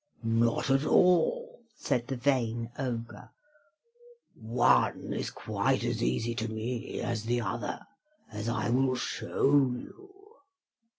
"Not at all," said the vain Ogre; "one is quite as easy to me as the other, as I will show you."